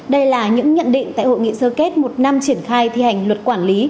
đây là những nhận định tại hội nghị sơ kết một năm triển khai thi hành luật quản lý